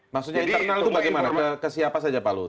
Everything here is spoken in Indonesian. maksudnya internal itu bagaimana kesiapa saja pak luhut